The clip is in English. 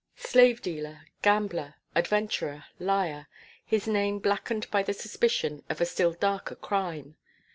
Slave dealer, gambler, adventurer, liar his name blackened by the suspicion of a still darker crime.